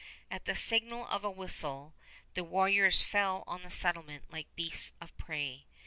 At the signal of a whistle, the warriors fell on the settlement like beasts of prey.